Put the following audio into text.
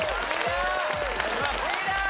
リーダー